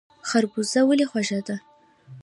خربوزه ولې خوږه ده؟